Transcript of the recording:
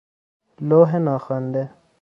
لوح ناخوانده